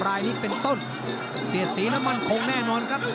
รายนี้เป็นต้นเสียสีแล้วมั่นคงแน่นอนครับ